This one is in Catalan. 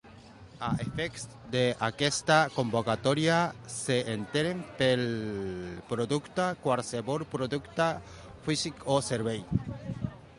A efectes d'aquesta convocatòria, s'entén per producte qualsevol producte físic o servei.